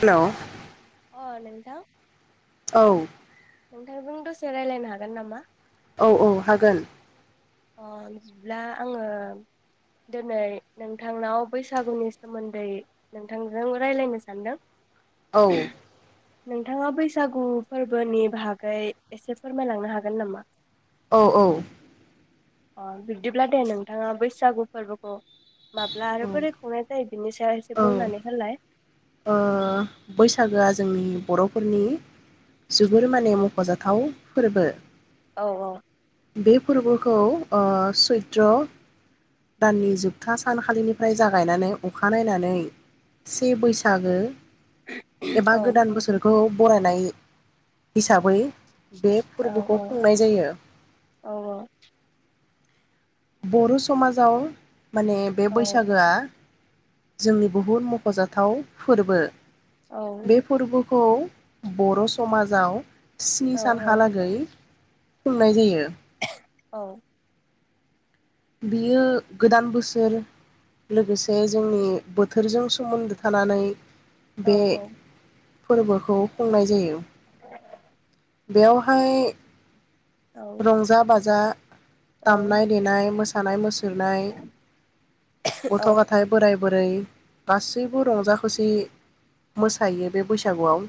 हेल' अ' नोंथां। औ नोंथांजों दसे रायलायनो हागोन नामा? औ औ हागोन। अ' बिदिब्ला आङो दोनै नोंथांनाव बैसागुनि सोमोन्दै नोंथांजों रायलायनो सानदों। औ नोंथाङा बैसागु फोरबोनि बाहागै एसे फोरमायलांनो हागोन नामा औ औ अ बिब्दिब्ला दे नोंथाङा बैसागु फोरबोखौ मााब्ला आरो बोरै खुंनाय जाय बिनि सायाव एसे औ बुंनानै होलाय ओ बैसागोआ जोंनि बरफोरनि जोबोर माने मखजाथाव फोरबो औ औ बे फोरबोखौ ओ सैत्र दाननि जोबथा सानखालिनिफ्राय जागायनानै अखा नायनानै से बैसो आगो एबा औ गोदान बोसोरखौ बरायनाय हिसाबै बे औ फोरबोखौ खुंनाय जायो । औ बर' समाजाव माने बे औ बैसागोआ जोंनि बहुत मखजाथाव फोरबो औ । बे फोरबो फौ बर समाजाव औ स्नि सानहालागै खुंनाय नाय जायो । औ । बियो गोदान बोसोर लोगोसे जोंनि बोथोरजों सोमोन्दो थानानै औ बे औ । फोरबोखौ खुंनाय जायो । बेयावहाय औ रंजा बाजा दामनाय देनाय मोसानाय मुसुरनाय गथ गथाय बोराइ बोरै गासैबो रंजा खुसि मोसायो बे बैस सागुआव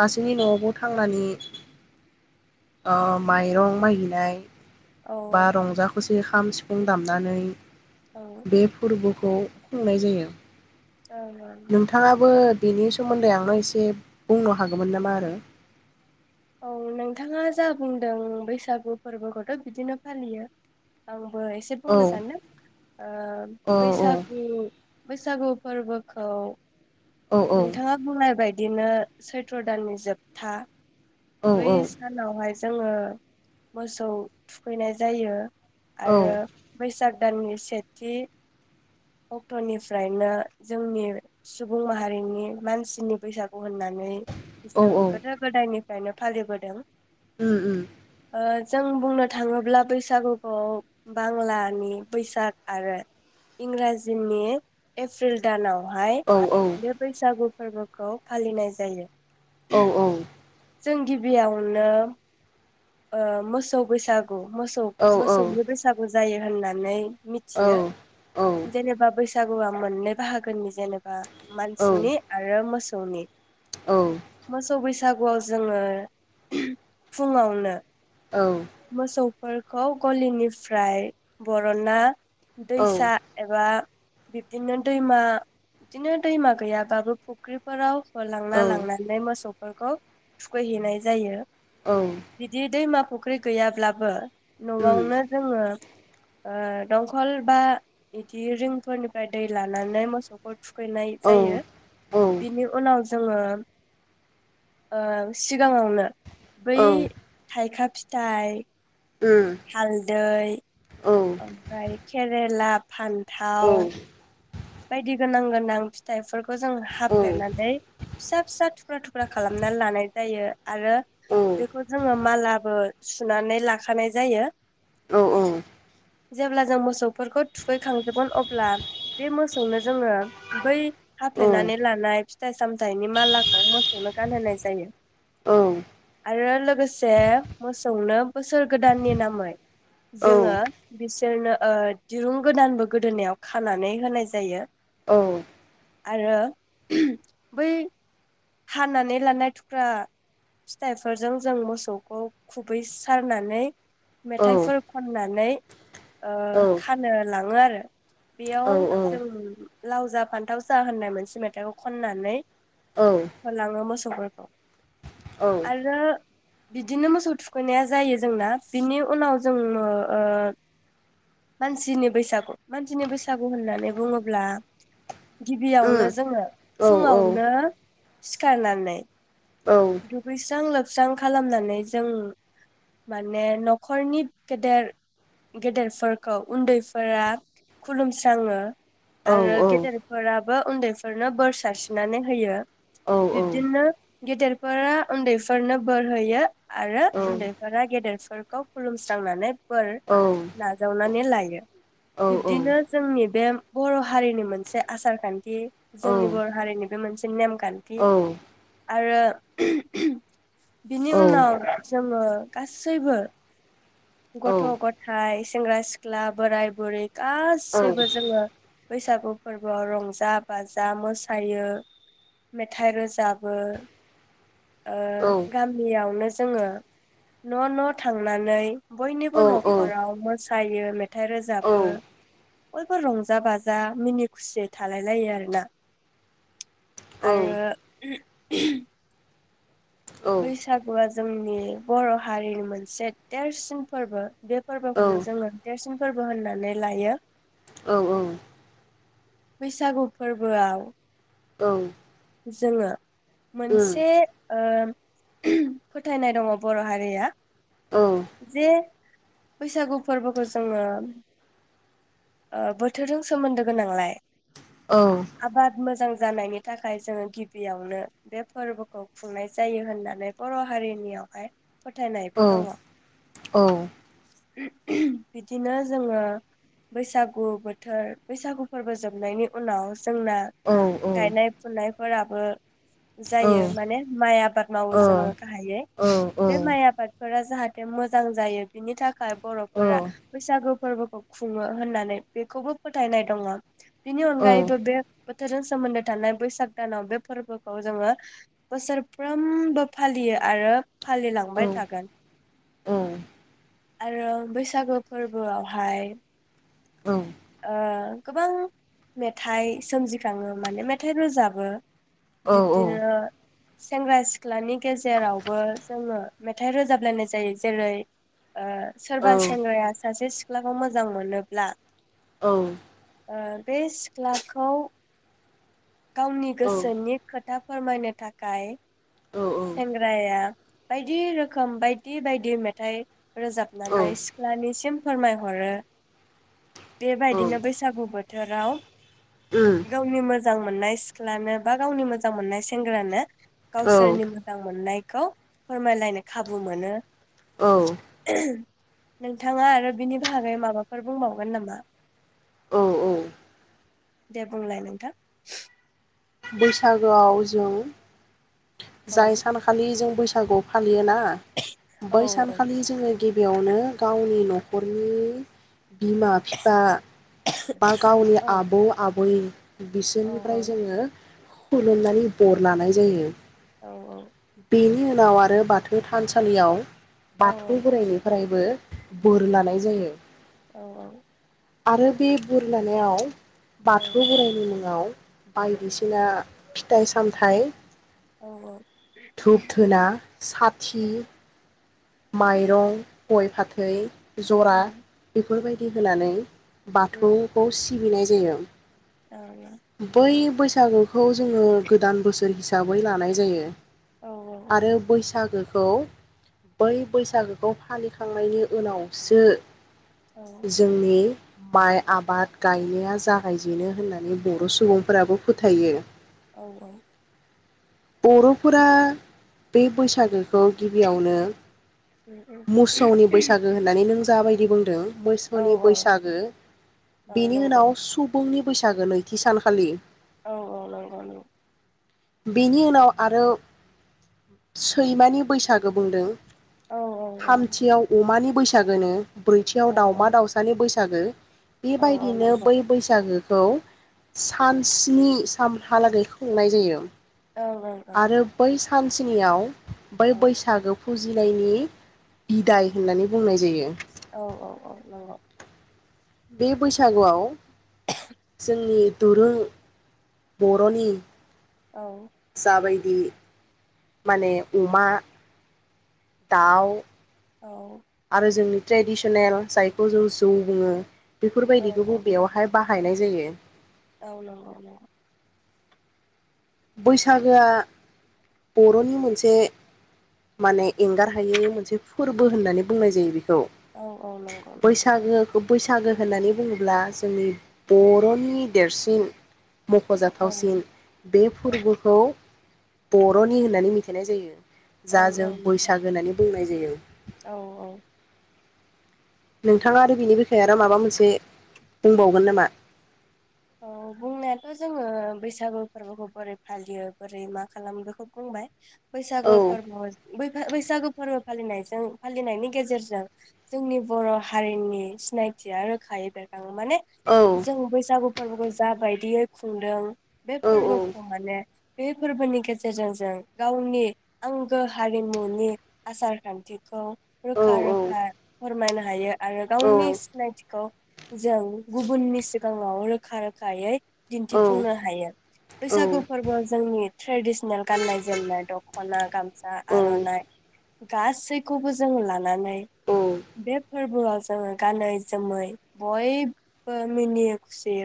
गासैनि न'आवबु खांनानि अ माइरं महैनाय औ औ बा रंजा खुस बे हाम सिफुं दामनानै औ बे फोरब द खुंनाय जायो ओं । ओं नोंथाङाबो बेनि सोमोन्दै आंनो एसे बुंनो हागौमोन नामा? आरो औ नोंथाङा जा बुंदों बैसागु फोरबोखौथ' बिदिनो फालियो आं बो एसे औ बुंनो सानदों ओ औ बैसागु, बैसागु फोरबोखौ औ नोंथाङा बुंनाय बाय दिनो सैथ्र' दाननि जोबथा, औ बै सानावहाय जोङो मोसौ थुखैनाय जायो। औ आरो बैसाग, दाननि सेथि अक्ट'निफ्रायनो जोंनि सुबुं माहारिनि मानसिनि बैसागु, होननानै औ जों औ गोदो गोदायनि फायनो फालिबोदों ओम ओम ओ जों बुंनो थाङोब्ला बैसागुखौ बांलानि बैसाग आरो इंराजिनि एप्रिल दानाव हाय औ औ बे बैसागु, फोरबोखौ फालिनाय जायो। औ औ जों गिबियावनो ओ मोसौ बैसाग गु मोसौ औ मोसौनि बैसागु जायो होननानै औ मिथियो औ उम जेनेबा बैस बैसागु मोननै बाहागोनि जेनेबा, औ उम औ मानसिनि आरो मोसौ, मोसौनि औ औ मोसौ बैस बैसागुआव जोङो फुङावनो औ फोरखौ गलिनिफ्राय बर'ना, दैसा एबा बिब्दिनो दैमा बिदिनो दैमा गैयाबाबो फुख्रिफोराव लांना लांनानै मोसौ, फोरखौ थुखैहैनाय जायो। औ बिदि दैमा फुख्रि गैयाब्लाबो न'आवनो जोङो ओ दंखल बा बिदि रिंफोरनिफ्राय दै लानानै मोसौखौ। थुखैनाय जायो बिनि उनाव जोङो ओ सिगाङावनो बै थाइखा फिथाइ हालदै। ओमफ्राय केरेला। फान्थाव। बायदि गोनां गोनां फिथाइफोर खौ जों हाफ्लेनानै फिसा फिसा थुख्रा थुख्रा खालामनानै लानाय जायो आरो बेखौ जोङो मालाबो सुनानै लाखानाय जायो। औ औ। जेब्ला जों मोसौफोरखौ थुखैखांजोबगोन अब्ला। बे मोसौनो जोङो बै हाफ्लेनानै लानाय फिथाइ सामथाइनि मालाखौ मोसौनो गानहोनाय जायो। औ। आरो लोगोसे मोसौनो बोसोर गोदाननि नामै जोङो बिसोरनो ओ दिरुं गोदानबो गोदोनायाव खानानै होनाय जायो। औ। आरो बै। हानानै लानाय थुख्रा फिथाइफोरजों जों मोसौखौ खुबै सारनानै मेथाइफोर खननानै ओ खानो लाङो आरो। औ औ बेयाव औ जों लाव जा फान्थाव जा होननाय मोनसे मेथाइखौ खननानै। औ उम औ उम औ होलाङो मोसौ [unintelligible] आरो बिदिनो मोसौ थुखैनाया जायो जोंना बिनि उनाव जोङो न ओ मानसिनि बैसागु मानसिनि बैसागु होननानै बुङोब्ला गिबियावनो जोङो फुङावनो सिखारनानै। दुगैस्रां लोब स्रां खालामनानै जों माने न'खरनि गेदेर गेदेरफोरखौ उन्दैफोरा खुलुमस्राङो। आरो गेदेरफोरा उन्दैफोरनो बोर सारस्रिनानै होयो बिबदिनो गेदेर फोर उन्दैफोरनो बोर होयो आरो उन्दैफोरा गेदेरफोरखौ खुलुमस्रांनानै बोर नाजावनानै लायो बिब्दिनो जोंनि बे बर हारिनि मोनसे आसार खान्थि जोंनि बर हारिनि बे मोनसे नेम खान्थि आरो बिनि उनाव जोङो गासैबो गथ' गथाय सेंग्रा सिख्ला बोराय बुरै गासैबो जोङो बैसागु फोरबोआव रंजा बाजा मोसायो मेथाइ रोजाबो। ओ गामियावनो जोङो न' न' थांनानै बयनिबो औ औ नखर मोस थायो मेथ मेथाइ रोजाबो बयबो रंजा बाजा मिनि खुसियै थालायलायो आरोना। आरो [unintelligible] बैसागुआ जोंनि बर' हारिनि मोनसे देरसिन फोरबो बे फोरबोखौनो जोङो देरसिन फोरबो होननानै लायो। औ औ बैसागु फोरबोआव औ जोङो मोनसे ओ फोथायनाय दङ' बर' हारिया जे बैसागु फोरबोखौ जोङो ओ बोथोरजों सोमोन्दो गोनांलाय औ बिराद मोजां जानायनि थाखाय जोङो गिबियावनो बे फोरबोखौ खुंनाय जायो होननानै बर' हारिनियावहाय फोथायनायबो दङ'। बिदिनो जोङो। बैसागु बोथोर बैसागु फोरबो जोबनायनि उनाव जोंना गायनाय फुननायफोराबो जायो माने माइआ बाद मावो जोङो गाहायै बे माइ आबाद फोरा जाहाथे मोजां जायो बिनि थाखाय बर'फोरा बैसागु फोरबोखौ खु खुङो होननानै बेखौबो फोथायनाय दङ। बिनि अनगायबो बे बोथोरजों सोमोन्दो थानाय बैसाग दानाव बे फोरबोखौ जोङो बोसोरफ्रोमबो फालियो आरो फालिलांबाय थागोन। आरो बैसागो फोरबोआवहाय ओं ओ गोबां मेथाइ सोमजिखाङो माने मेथाइ रोजाबो। बिबदिनो सेंग्रा सिख्लानि गेजेरावबो जोङो मेथाइ रोजाबलायनाय जायो जेरै ओ सोरबा सेंग्राया सासे सिख्लाखौ मोजां मोनोब्ला औ ओ बे सिख्लाखौ गावनि गोसोनि खोथा फोरमायनो थाखाय सेंग्राया बायदि रोखोम बायदि बायदि मेथाइ रोजाबनानै सिख्लानिसिम फोरमायहरो बेबायदिनो बैसागु बोथोराव औ उम गावनि मोज जां मोननाय सिख्लानो बा गावनि मोजां मोननाय सेंग्रानो औ गावसोरनि मोजां मोननाय। खौ फोरमायलायनो खाबु मोनो। औ नोंथाङा आरो बिनि भागै माबाफोर बुंबावगोन नामा? औ औ दे बुंलाय नोंथां। [inaudible] बैसागोआव जों औ जाय सानखालि जों बैस [unintelligible] योना औ बै सानखालि जोङो। गिबियावनो गावनि न'खरनि बिमा बिफा बा गावनि औ आबौ आबै औ बिसोरनिफ्राय जोङो खुलुमनानै बर लानाय जायो औ बे नि उनाव आरो बाथौ थानसालियाव औ बाथौ बोराइनिफ्रायबो बोर लानाय जायो औ औ आरो बे बुर लानायाव औ बाथौ बोराइनि मुङाव बायदिसिना फिथाइ सामथाइ औ धुप-धुना साथि औ माइरं, गय फाथै जरा बे फोर बायदि होनानै बाथौखौ सिबिनाय [unintelligible] बै बैसागुखौ जोङो गोदान बोसोर हि साबै लानाय जायो आरो बैसागो खौ बै बैसागोखौ फालिखांनायनि उनावसो जोंनि माइ आबाद गायनाया जागायजेनो होननानै बर सुबुंफोराबो फोथायो औ औ बरफोरा बे बैसागो खौ गिबियावनो मोसौनि बैसागु होननानै नों जाबायदि बुंदों मोसौनि औ बैसागो औ बिनि नंगौ उनाव सु बुंनि बैसागो नैथि सानखालि औ औ नोंग नोंग बेनि उनाव आरो सैमानि बैसागो बुंदों थामथियाव अमानि बैसागोनो ब्रैथियाव औ दावमा दाउसानि बैसाग सागो। बे औ औ बायदिनो नंगौ बै बैसागो। खौ सान सनि सानहालागै खुंनाय जायो। औ औ औ। सानसेनियाव। बै बैसागो। फुजिनायनि बिदाय होननानै बुंनाय जायो। औ औ औ औ औ। बे बैसागुआव। जोंनि। दुरुं बरनि। औ। जाबायदि माने अमा दाउ। औ। आरो जोंनि ट्रेडिसनेल जायखौ जों जौ बुङो। औ बेफोरबायदिखौ बबेयावहाय बाह। थायनाय जायो। औलं औल। बैसागोआ बरनि मोनसे माने एंगार हायै मोनसे फोरबो होननानै बुंनाय जायो बेखौ। औ औ नंगौ नंगौ बैसागो। बैसागो होननानै बुङोब्ला जोंनि बरनि देरसिन। मखजाथावसिन। बे औ ओं फोरबोखौ। बरनि होननानै मिथिनाय जायो। जा जों ओं नंगौ बैसागो होननानै बुंनाय जायो। औ औ नोंथाङा आरो बिनि बिखाया आरो माबा मोनसे बुंबावगोन नामा। औ बुंनायाथ जोङो बैसागु फोरबोखौ बोरै फालियो बोरै मा खालामो बेखौ बुंबाय। बैसागो औ फोरबोाव बै। बैसागु फोरबो फालिनायजों फालिनायनि गेजेरजों जोंनि बर हारिनि सिनायथिया रोखायै बेरखा। माने औ जों बैसागु। फोरबोखौ जा बायदियै खुंदों बे फोरबोखौ माने बे फोरबोनि गेजेरजों जों गावनि आंगो हारिमुनि आसार खान्थिखौ औ रोखा रोखा फोरमायनो हायो आरो औ गावनि सिनायथिखौ जों गुबुननि सिगाङाव रोखा। रोखा रोखायै औ दिन्थिफुंनो हायो। बैसखौ फोर्बो। जोंनि ट्रेडिसनेल गाननाय जोमनाय दखना गामसा आरनाइ गासैखौबो जोंङ लानानै बे फोरबोआव जोङो गानै जोमै बयबो मिनि।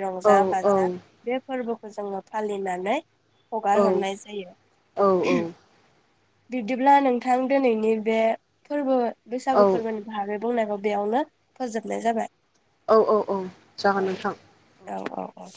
रंजा बाजा बे फोरबो। खौ जोङो फालिनानै। हगार हरनाय जायो। बिब्दिब्ला नोंथां दिनैनि बे फोरबो बैसागु औ फोरबोनि भाहागो बुंनायखौ बेयावनो फोजोबनाय जाबाय । औ औ औ जागोन नोंथां। औ औ औ।